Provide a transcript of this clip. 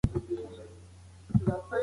اسلام ناپوهي نه مني.